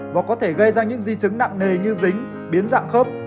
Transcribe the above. và có thể gây ra những di chứng nặng nề như dính biến dạng khớp